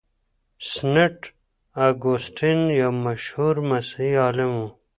سينټ اګوستين يو مشهور مسيحي عالم و.